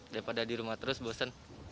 daripada di rumah terus bosen